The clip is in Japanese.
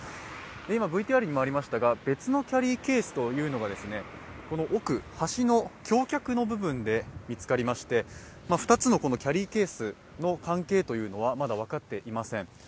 今、ＶＴＲにもありましたが別のキャリーケースというのがこの奥、橋の橋脚の部分で見つかりまして２つのキャリーケースの関係というのはまだ分かっていません。